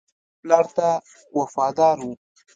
پلار ته وفادار وو.